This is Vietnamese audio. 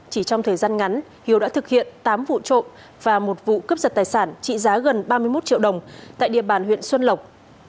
chỉ trong thời gian ngắn hiếu đã thực hiện tám vụ trộm và một vụ cướp giật tài sản trị giá gần ba mươi một triệu đồng tại địa bàn huyện xuân lộc